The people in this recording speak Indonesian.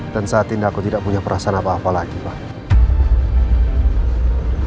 dan saat ini aku tidak punya perasaan apa apa lagi pak